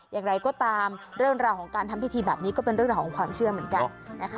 อย่างไรก็ตามเรื่องราวของการทำพิธีแบบนี้ก็เป็นเรื่องของความเชื่อเหมือนกันนะคะ